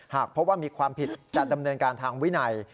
หากพบว่ามีความผิดจะดำเนินการทางวินัย